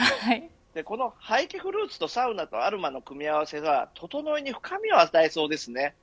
この廃棄フルーツとサウナとアロマの組み合わせがととのいに深みを与えそうですね。